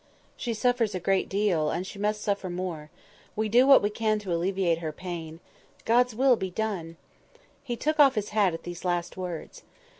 "She suffers a great deal, and she must suffer more: we do what we can to alleviate her pain;—God's will be done!" He took off his hat at these last words.